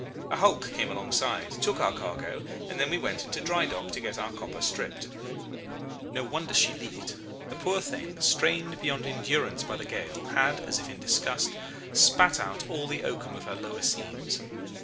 A hulk came alongside, took our cargo, and then we went into dry dock to get our copper stripped. No wonder she leaked. The poor thing, strained beyond endurance by the gale, had, as if in disgust, spat out all the oakum of her lower seams.